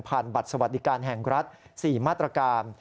บัตรสวัสดิการแห่งรัฐ๔มาตรการ